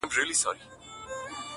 چي یې منکر دی هغه نادان دی!!